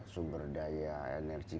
sumber daya energi